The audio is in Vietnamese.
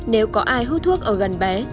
nếu có ai hút thuốc ở gần bé